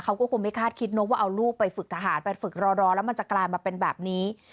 เขาก็คงไม่คาดคิดเนอะว่าเอาลูกไปฝึกทหารไปฝึกรอแล้วมันจะกลายมาเป็นแบบนี้